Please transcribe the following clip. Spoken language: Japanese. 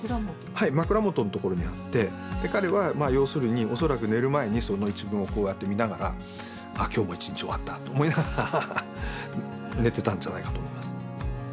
はい枕元のところにあって彼はまあ要するに恐らく寝る前にその一文をこうやって見ながら「あ今日も１日終わった」と思いながら寝てたんじゃないかと思います。